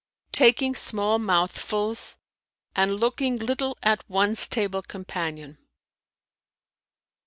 "Taking small mouthfuls and looking little at one's table companion."